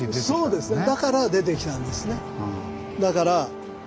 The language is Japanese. そうですね。